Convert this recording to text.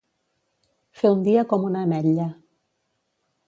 Fer un dia com una ametlla.